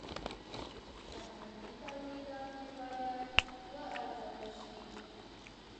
فرهنګي تولیدات یې باید وارزول شي.